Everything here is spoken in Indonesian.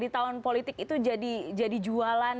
di tahun politik itu jadi jualan